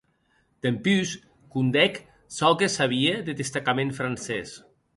Dempús condèc çò que sabie deth destacament francés.